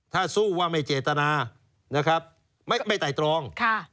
ถ้าสู้ว่าไม่เจตนานะครับไม่ไต่ตรอง